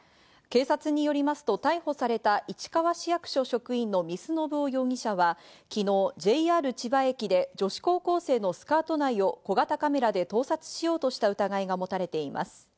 警察によりますと逮捕された市川市役所職員の見須信夫容疑者は昨日、ＪＲ千葉駅で女子高校生のスカート内を小型カメラで盗撮しようとした疑いが持たれています。